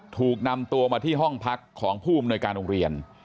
ถูกนำตัวมาที่ห้องพักของผู้อำนวยการโรงเรียน